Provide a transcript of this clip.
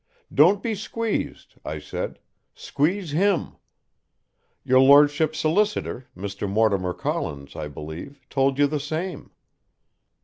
'Don't be squeezed,' I said. 'Squeeze him.' Your Lordship's solicitor, Mr. Mortimer Collins, I believe, told you the same."